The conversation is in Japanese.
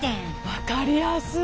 分かりやすい！